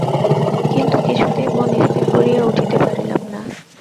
কিন্তু কিছুতেই মন স্থির করিয়া উঠিতে পারিলাম না।